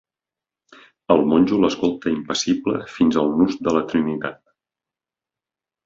El monjo l'escolta impassible fins al Nus de la Trinitat.